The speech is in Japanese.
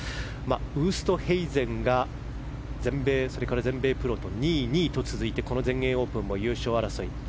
ウーストヘイゼンが全米、それから全米プロと２位、２位と続いてこの全英オープンも優勝争い。